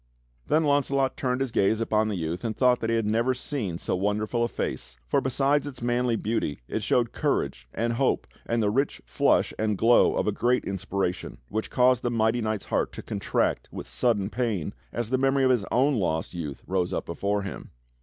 Then Launcelot turned his gaze upon the youth and thought that he had never seen so wonderful a face, for besides its manly beauty it showed courage and hope and the rich flush and glow of a great inspiration which caused the mighty knight's heart to contract with sudden pain as the memory of his own lost youth rose up before him.